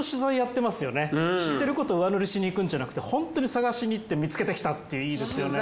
知ってること上塗りしにいくんじゃなくてホントに探しにいって見つけてきたっていいですよね。